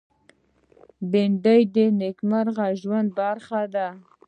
بېنډۍ د نېکمرغه ژوند برخه ده